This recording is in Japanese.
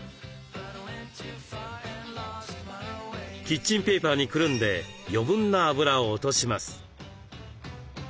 キッチンペーパーにくるんで余分な油を落とします。